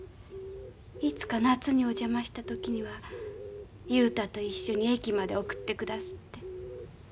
いつか夏にお邪魔した時には雄太と一緒に駅まで送ってくだすって。